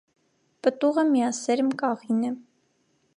Պտուղը միասերմ կաղին է։